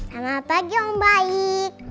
selamat pagi mbaik